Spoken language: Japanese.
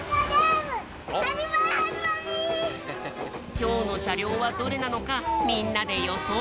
きょうのしゃりょうはどれなのかみんなでよそう。